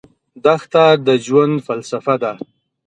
دښته د ژوند فلسفه ده.